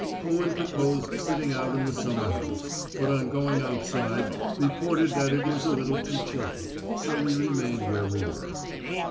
Owen proposed sitting out in the summer house, but on going outside reported that it was a little too chilly. So we remained where we were.